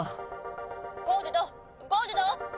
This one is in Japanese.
「ゴールドゴールド！